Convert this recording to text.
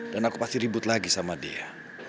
dan aku pasti ribut lagi sama dia